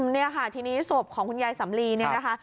เนี่ยค่ะทีนี้ส่วนของคุณยายสำลีนะคะ